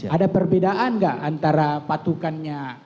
ada perbedaan nggak antara patukannya